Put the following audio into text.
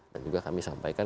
dan juga kami sampaikan